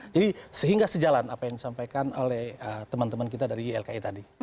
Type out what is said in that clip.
jadi sehingga sejalan apa yang disampaikan oleh teman teman kita dari ilki tadi